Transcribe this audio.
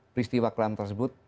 peristiwa kelam tersebut